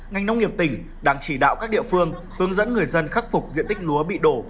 ngành nông nghiệp tỉnh đang chỉ đạo các địa phương hướng dẫn người dân khắc phục diện tích lúa bị đổ